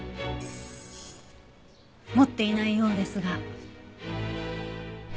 持っていないようですが。